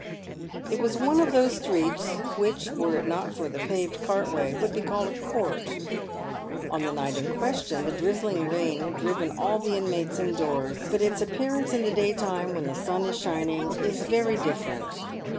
It was one of those streets which, were it not for the paved cart way, would be called a court. On the night in question the drizzling rain had driven all the inmates in doors ; but its appearance in the daytime, when the sun is shining, is very different.